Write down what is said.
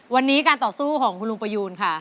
วันนี้การต่อสู้ของคุณลุงประยูนค่ะ